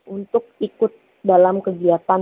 untuk ikut dalam kegiatan